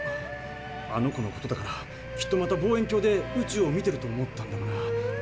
あの子のことだからきっとまた望遠鏡で宇宙を見てると思ったんだがな。